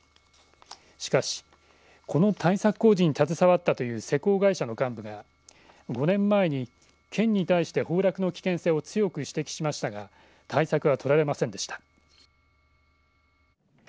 しかし、この対策工事に携わったという施工会社の幹部が５年前に県に対して崩落の危険性を強く指摘しましたが対策は取られませんでした。